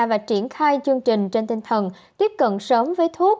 và triển khai chương trình trên tinh thần tiếp cận sớm với thuốc